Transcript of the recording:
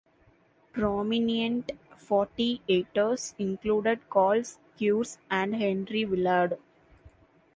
Prominent Forty-Eighters included Carl Schurz and Henry Villard.